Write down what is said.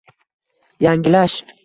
Yangilash